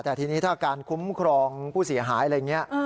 แต่ทีนี้ถ้าการคุ้มครองผู้เสียหายอะไรอย่างนี้